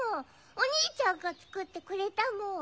おにいちゃんがつくってくれたもん。